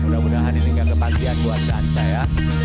mudah mudahan ini gak kebangkian buat dansa ya